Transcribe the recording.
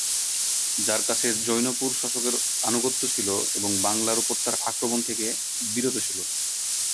যার কাছে জৌনপুর শাসকের আনুগত্য ছিল, এবং বাংলার উপর তার আক্রমণ থেকে বিরত ছিল।